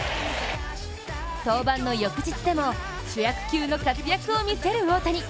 登板の翌日でも主役級の活躍を見せる大谷。